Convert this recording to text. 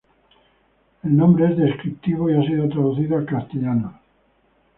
El nombre es descriptivo y ha sido traducido al castellano.